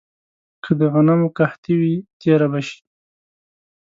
که د غنمو قحطي وي، تېره به شي.